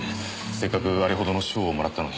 せっかくあれほどの賞をもらったのに。